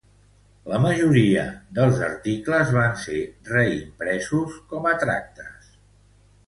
La majoria dels articles van ser reimpresos com a tractes.